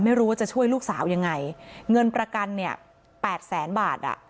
ไม่รู้ว่าจะช่วยลูกสาวยังไงเงินประกันเนี่ยแปดแสนบาทอ่ะ